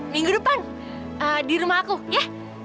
minggu depan di rumah aku ya